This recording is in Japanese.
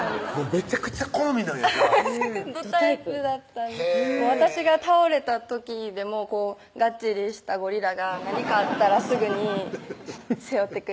めちゃくちゃ好みなんやじゃあどタイプだった私が倒れた時でもがっちりしたゴリラが何かあったらすぐに背負ってくれるし